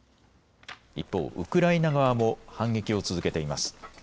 一方、ウクライナ側も反撃を続けています。